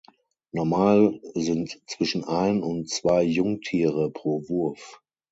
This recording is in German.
Normal sind zwischen ein und zwei Jungtiere pro Wurf.